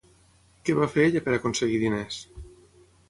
Què va fer ella per aconseguir diners?